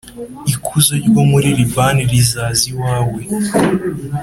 ikuzo ryo muri libani rizaza iwawe,